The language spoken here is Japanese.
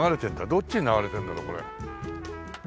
どっちに流れてるんだろうこれ。